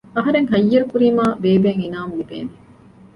އަހަރެން ހައްޔަރުކުރީމާ ބޭބެއަށް އިނާމު ލިބޭނެ